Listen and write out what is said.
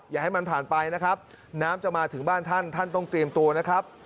อย่าให้มันผ่านไปนะครับน้ำจะมาถึงบ้านท่านท่านต้องเตรียมตัวนะครับ